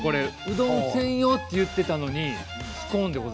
うどん専用って言ってたのに。